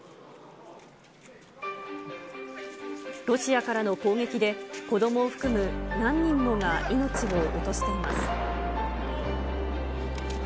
ロシアからの攻撃で、子どもを含む何人もが命を落としています。